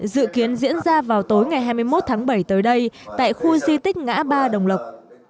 dự kiến diễn ra vào tối ngày hai mươi một tháng bảy tới đây tại khu di tích ngã ba đồng lộc